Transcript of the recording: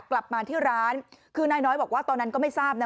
กลับมาที่ร้านคือนายน้อยบอกว่าตอนนั้นก็ไม่ทราบนะ